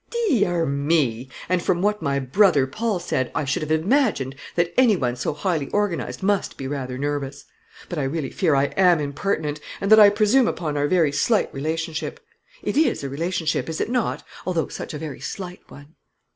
Dee ar me; and from what my brother Paul said, I should have imagined that any one so highly organised must be rather nervous. But I really fear I am impertinent, and that I presume upon our very slight relationship. It is a relationship, is it not, although such a very slight one?"